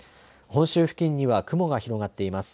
本州付近には雲が広がっています。